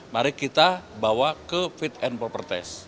mari kita bawa ke fit and proper test